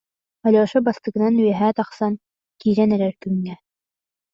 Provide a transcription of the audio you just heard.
Алеша бастакынан үөһэ тахсан, киирэн эрэр күҥҥэ: